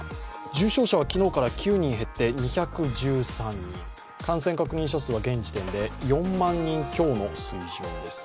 重症者は昨日から９人減って２１３人、感染確認者数は現時点で４万人強の水準です。